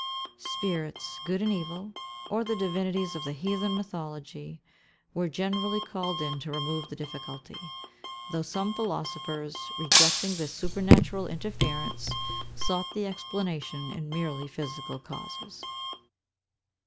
Spirits, good and evil, or the divinities of the heathen mythology, were generally called in to remove the difficulty; though some philosophers, rejecting this supernatural interference, sought the explanation in merely physical causes.